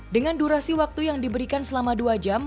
dengan durasi waktu yang diberikan selama dua jam